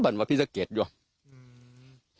เป็นว่าพี่สะเกดหรือ